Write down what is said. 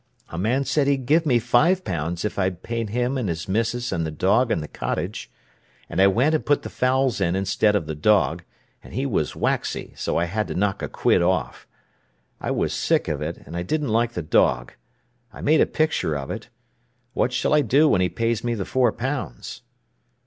A man said he'd give me five pounds if I'd paint him and his missis and the dog and the cottage. And I went and put the fowls in instead of the dog, and he was waxy, so I had to knock a quid off. I was sick of it, and I didn't like the dog. I made a picture of it. What shall I do when he pays me the four pounds?"